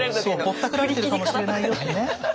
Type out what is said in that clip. ぼったくられてるかもしれないよってね。